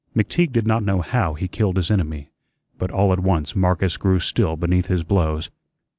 McTeague did not know how he killed his enemy, but all at once Marcus grew still beneath his blows.